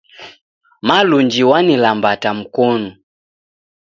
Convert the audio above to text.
Malunji w'anilambata mkonu.